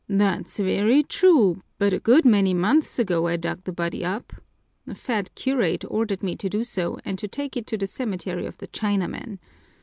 "That's very true, but a good many months ago I dug the body up. The fat curate ordered me to do so and to take it to the cemetery of the Chinamen.